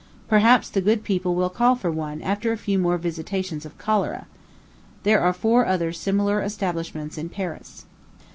Perhaps the good people will call for one after a few more visitations of cholera. There are four other similar establishments in Paris.